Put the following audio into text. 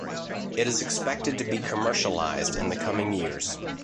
It is expected to be commercialised in the coming years.